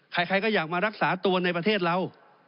ใครก็อยากมารักษาตัวในประเทศเรา